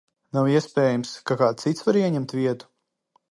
Nav iespējams, ka kāds cits var ieņemt vietu?